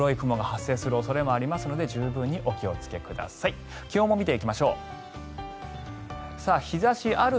黒い雲が発生する可能性もありますので十分にお気をつけください。